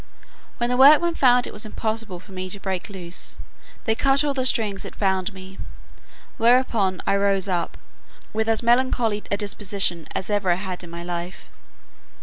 When the workmen found it was impossible for me to break loose, they cut all the strings that bound me; whereupon I rose up, with as melancholy a disposition as ever I had in my life.